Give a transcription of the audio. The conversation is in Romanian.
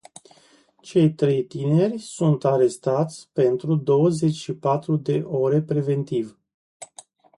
Cei trei tineri sunt arestați pentru douăzeci și patru de ore preventiv.